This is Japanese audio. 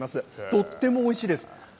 とってもおいしいです。